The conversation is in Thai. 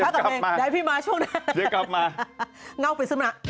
เดี๋ยวกลับมาเดี๋ยวกลับมาพระกัปเมฆได้พี่มาช่วงหน้า